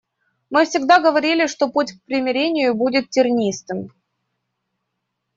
Мы всегда говорили, что путь к примирению будет тернистым.